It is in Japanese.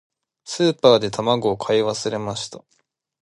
スーパーで卵を買い忘れました。